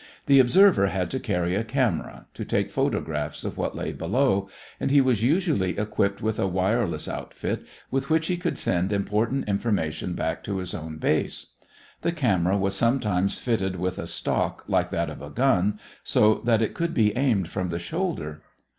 The observer had to carry a camera, to take photographs of what lay below, and he was usually equipped with a wireless outfit, with which he could send important information back to his own base. The camera was sometimes fitted with a stock like that of a gun, so that it could be aimed from the shoulder.